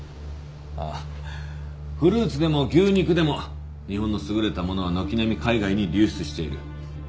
ああフルーツでも牛肉でも日本の優れたものは軒並み海外に流出している。